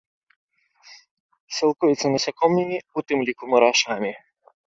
Сілкуецца насякомымі, у тым ліку мурашамі.